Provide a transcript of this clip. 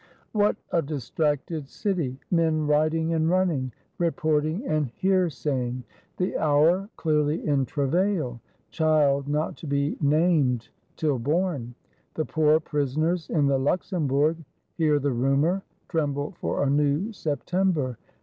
What a distracted City; men riding and running, reporting and hearsaying; the Hour clearly in travail, — child not to be named till born! The poor prisoners in the Luxembourg hear the rumor; tremble for a new Sep tember.